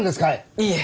いいえ！